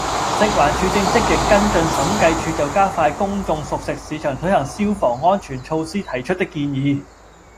食環署正積極跟進審計署就加快在公眾熟食市場推行消防安全措施提出的建議